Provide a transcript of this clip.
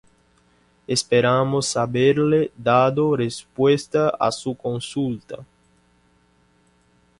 Esperamos haberle dado respuesta a su consulta.